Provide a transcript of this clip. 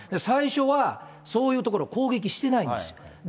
最初は、そういうところは攻撃してないんです。